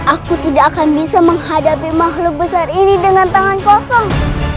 aku tidak akan bisa menghadapi makhluk besar ini dengan tangan kosong